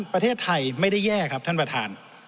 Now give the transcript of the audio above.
ประเทศไทยไม่ได้แย่ครับท่านประธาน